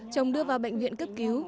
chồng đưa vào bệnh viện cấp cứu